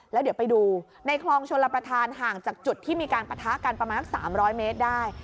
แล้วเดี๋ยวไปดูในคลองชลประธานห่างจากจุดที่มีการปะทะกันประมาณสัก๓๐๐เมตรได้